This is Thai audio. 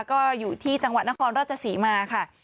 ก็อยู่ที่จังหวัดนครราชศรีมาค่ะ